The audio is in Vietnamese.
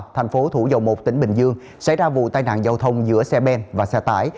thành phố thủ dầu một tỉnh bình dương xảy ra vụ tai nạn giao thông giữa xe ben và xe tải